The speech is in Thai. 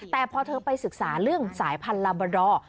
แต่พอเธอไปศึกษาเรื่องสายพันธุลาบาดอร์